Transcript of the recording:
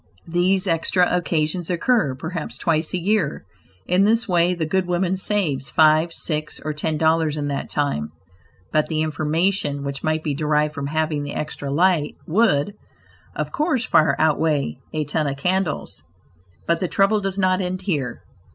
These extra occasions occur, perhaps, twice a year. In this way the good woman saves five, six, or ten dollars in that time: but the information which might be derived from having the extra light would, of course, far outweigh a ton of candles. But the trouble does not end here.